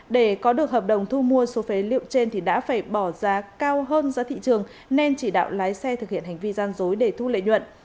để có được hợp đồng thu mua số phế liệu trên thì đã phải bỏ giá cao hơn giá thị trường nên chỉ đạo lái xe thực hiện hành vi gian dối để thu lợi nhuận